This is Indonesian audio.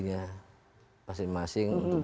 tidak ada perbedaan sama sekali